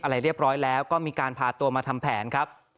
อะไรเรียบร้อยแล้วก็มีการพาตัวมาทำแผนครับ